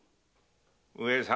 上様！